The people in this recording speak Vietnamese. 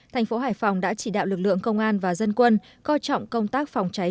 thành phố hải phòng đã chỉ đạo lực lượng công an và dân quân coi trọng công tác phòng cháy